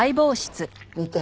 見て。